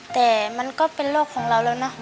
แต่มันก็เป็นโรคของเราแล้วนะ